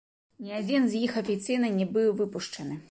Ні адзін з іх афіцыйна не быў выпушчаны.